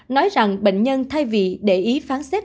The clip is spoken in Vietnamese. nói rằng bệnh nhân thay vì để ý phán xét